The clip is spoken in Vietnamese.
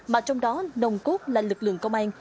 mà trong đó nồng cốt là lực lượng công an